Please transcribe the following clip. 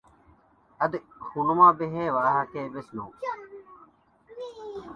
އަދި ހުނުމާބެހޭ ވާހަކައެއްވެސް ނޫން